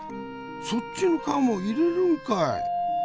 そっちの皮も入れるんかい！